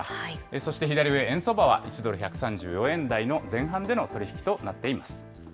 そして左上、円相場は１ドル１３４円台の前半での取り引きとなっています。